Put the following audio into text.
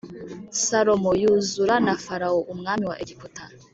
Salomo yuzura na Farawo umwami wa Egiputa